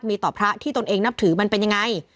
เริ่มใสส่วนตัวที่คาราวาสมีต่อพระที่ตนเองนับถือมันเป็นยังไง